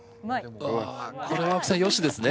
ああこれは青木さんよしですね？